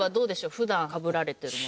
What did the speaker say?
普段かぶられてるものと。